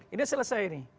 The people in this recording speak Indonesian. ini selesai ini